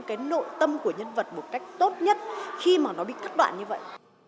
cái nội tâm của nhân vật một cách tốt nhất khi mà nó bị thất đoạn như vậy